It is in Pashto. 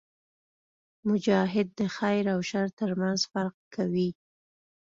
مجاهد د خیر او شر ترمنځ فرق کوي.